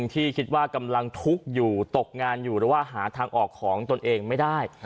ที่คิดว่ากำลังทุกข์อยู่ตกงานอยู่หรือว่าหาทางออกของตนเองไม่ได้